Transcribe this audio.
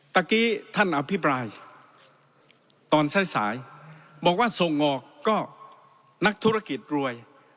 เมื่อกี้ท่านอภิปรายตอนสายบอกว่าส่งออกก็นักธุรกิจรวย